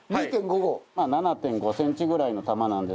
７．５センチぐらいの玉なんですけども。